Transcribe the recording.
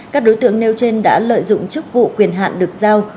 các đối tượng nêu trên đã lợi dụng chức vụ quyền hạn được giao